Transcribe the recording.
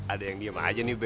ada yang diem aja nih b